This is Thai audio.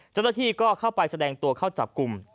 เจ้าหน้าที่ก็เข้าไปแสดงตัวเข้าจับกลุ่ม